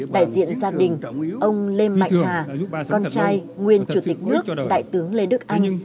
đại diện gia đình ông lê mạnh hà con trai nguyên chủ tịch nước đại tướng lê đức anh